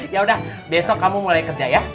ya udah besok kamu mulai kerja ya